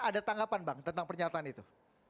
ada tanggapan bang tentang pernyataan itu